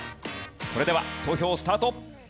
それでは投票スタート！